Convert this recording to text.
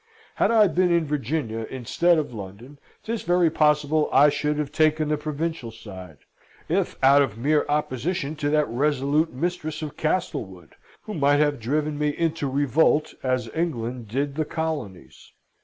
Had I been in Virginia instead of London, 'tis very possible I should have taken the provincial side, if out of mere opposition to that resolute mistress of Castlewood, who might have driven me into revolt, as England did the colonies.